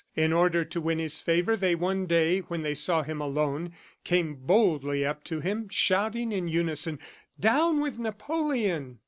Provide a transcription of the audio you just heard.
In order to win his favor, they one day when they saw him alone, came boldly up to him, shouting in unison, "Down with Napoleon!"